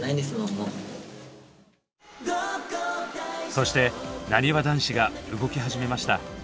そして「なにわ男子」が動き始めました。